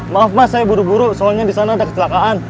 maaf mas saya buru buru soalnya disana ada kecelakaan